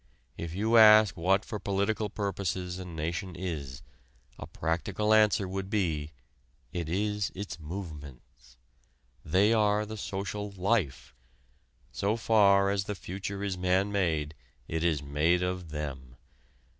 If you ask what for political purposes a nation is, a practical answer would be: it is its "movements." They are the social life. So far as the future is man made it is made of them.